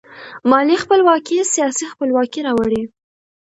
مالي خپلواکي سیاسي خپلواکي راوړي.